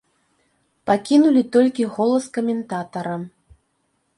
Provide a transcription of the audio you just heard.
Пакінулі толькі голас каментатара.